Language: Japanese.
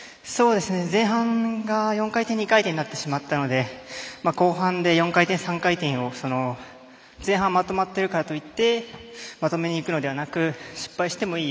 前半が４回転２回転になってしまったので後半で４回転、３回転を前半、まとまってるからといってまとめにいくのではなく失敗してもいい。